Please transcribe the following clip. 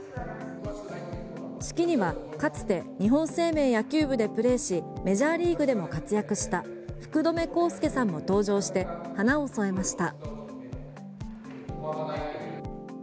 式にはかつて日本生命野球部でプレーしメジャーリーグでも活躍した福留孝介さんも登場して花を添えました。